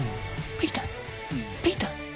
ピーターピーター。